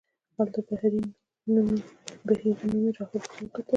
هلته بهیري نومې راهب ورته وکتل.